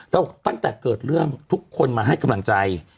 แล้วตั้งแต่เกิดเรื่องทุกคนมาให้กำลังใจ